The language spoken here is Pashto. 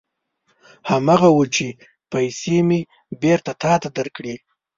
هماغه و چې پېسې مې بېرته تا ته درکړې.